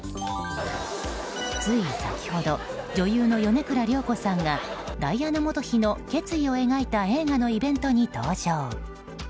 つい先ほど女優の米倉涼子さんがダイアナ元妃の決意を描いた映画のイベントに登場。